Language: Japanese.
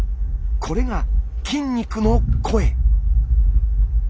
これが筋肉の声。